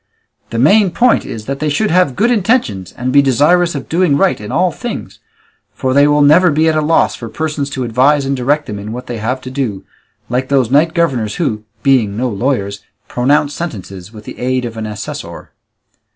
The main point is that they should have good intentions and be desirous of doing right in all things, for they will never be at a loss for persons to advise and direct them in what they have to do, like those knight governors who, being no lawyers, pronounce sentences with the aid of an assessor.